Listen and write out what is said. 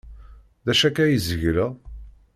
D acu akka ay zegleɣ?